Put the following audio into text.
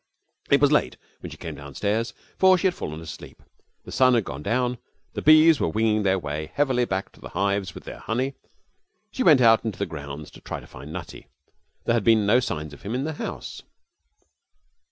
It was late when she came downstairs, for she had fallen asleep. The sun had gone down. Bees were winging their way heavily back to the hives with their honey. She went out into the grounds to try to find Nutty. There had been no signs of him in the house.